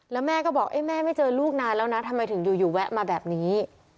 แล้วแม่ก็บอกแม่ไม่เจอลูกนานแล้วนะทำไมถึงอยู่แวะมาแบบนี้